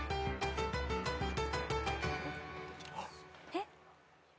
えっ！？